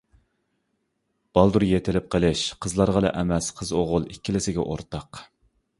بالدۇر يېتىلىپ قېلىش قىزلارغىلا ئەمەس، قىز-ئوغۇل ئىككىلىسىگە ئورتاق.